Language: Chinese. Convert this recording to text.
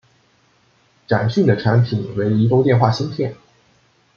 展讯的产品为移动电话芯片。